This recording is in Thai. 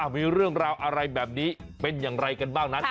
มีเรื่องราวอะไรแบบนี้เป็นอย่างไรกันบ้างนั้น